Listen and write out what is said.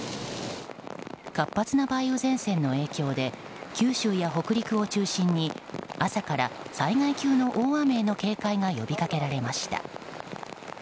活発な梅雨前線の影響で九州や北陸を中心に朝から、災害級の大雨への警戒が呼びかけられました。